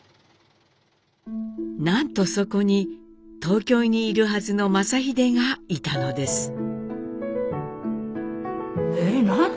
なんとそこに東京にいるはずの正英がいたのです。